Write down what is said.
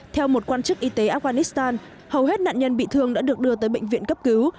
theo một quan chức y tế afghanistan hầu hết nạn nhân bị thương đã được đưa tới bệnh viện cấp cứu